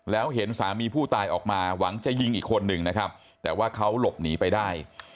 แล้วเห็นสามีผู้ตายออกมาหวังจะยิงอีกคนนึงนะครับแต่ว่าเขาหลบหนีไปได้